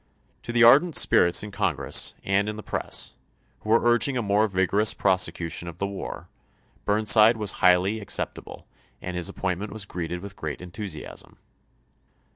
To the ardent spirits in Congress and in the press, who were urging a more vigorous prosecu tion of the war, Burnside was highly acceptable and his appointment was greeted with great en thusiasm.